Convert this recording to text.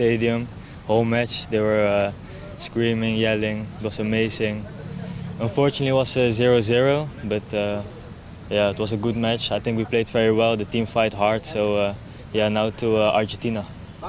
alhamdulillah tapi pertempuran itu bagus kita melakukan pertempuran yang baik tim berjuang keras jadi sekarang ke argentina